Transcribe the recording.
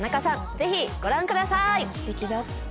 ぜひご覧ください！